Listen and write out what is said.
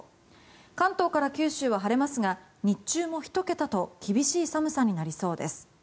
関東から九州は晴れますが日中も１桁と厳しい寒さになりそうです。